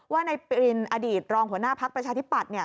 ว่าในปรินอดีตรองหัวหน้าพักประชาธิปัตย์เนี่ย